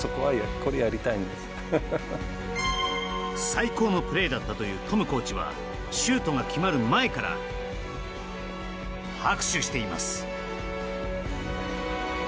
最高のプレーだったというトムコーチはシュートが決まる前から拍手しています。